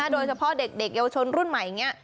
โดยเฉพาะเด็กเยาวชนรุ่นใหม่อย่างนี้